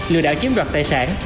lừa đảo chiếm đoạt tài sản